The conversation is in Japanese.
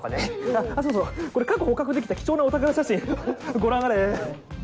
あそうそうこれ過去捕獲できた貴重なお宝写真ご覧あれ。